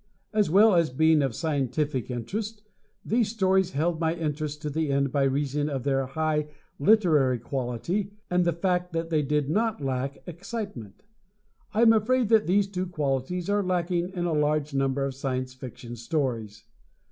As well as being of scientific interest, these stories held my interest to the end by reason of their high literary quality and the fact that they did not lack excitement. I am afraid that these two qualities are lacking in a large number of Science Fiction stories.